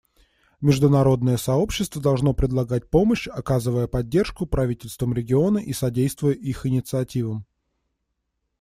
Международное сообщество должно предлагать помощь, оказывая поддержку правительствам региона и содействуя их инициативам.